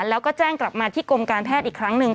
แล้วก็แจ้งกลับมาที่กรมการแพทย์อีกครั้งหนึ่ง